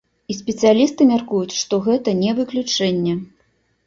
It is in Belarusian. І спецыялісты мяркуюць, што гэта не выключэнне.